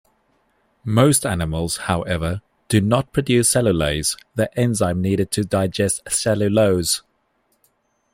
Most animals, however, do not produce cellulase; the enzyme needed to digest cellulose.